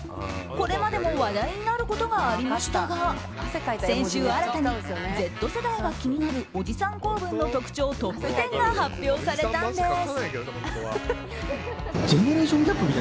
これまでも話題になることがありましたが先週新たに、Ｚ世代が気になるおじさん構文の特徴トップ１０が発表されたんです。